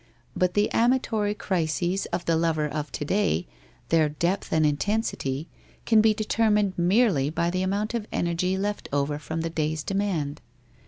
But the amatory crises of the lover of to day, their depth and in tensity, can be determined merely by the amount of energy left over from the dav's demand.